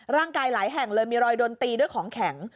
หลายแห่งเลยมีรอยโดนตีด้วยของแข็ง